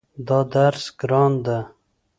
دا درس ګران ده